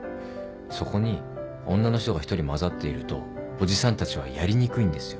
そこに女の人が１人交ざっているとおじさんたちはやりにくいんですよ。